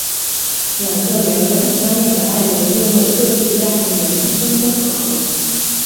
两个原本相恋的爱人因为各自家庭的原因分分合合。